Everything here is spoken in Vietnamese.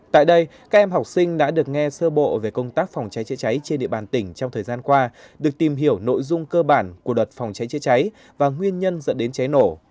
tại đây các em học sinh đã được nghe sơ bộ về công tác phòng cháy chữa cháy trên địa bàn tỉnh trong thời gian qua được tìm hiểu nội dung cơ bản của luật phòng cháy chữa cháy và nguyên nhân dẫn đến cháy nổ